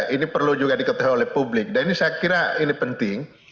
ini perlu juga diketahui oleh publik dan ini saya kira ini penting